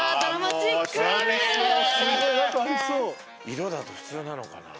色だと普通なのかな？